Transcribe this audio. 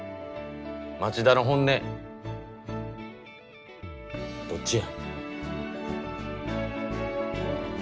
町田の本音どっちや。